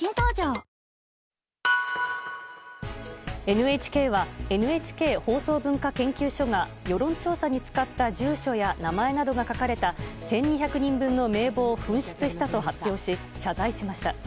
ＮＨＫはＮＨＫ放送文化研究所が世論調査に使った住所や名前などが書かれた１２００人分の名簿を紛失したと発表し謝罪しました。